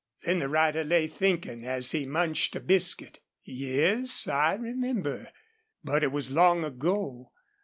Then the rider lay thinking, as he munched a biscuit. "Yes, I remember, but it was long ago.